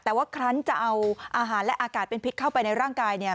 แต่ว่าครั้งจะเอาอาหารและอากาศเป็นพิษเข้าไปในร่างกายเนี่ย